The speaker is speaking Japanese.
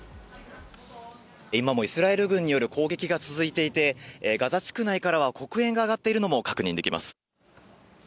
今もイスラエル軍による攻撃が続いていて、ガザ地区内からは黒煙が上がっているのも確認できます。